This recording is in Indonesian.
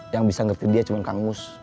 yang bisa ngerti dia cuma kang mus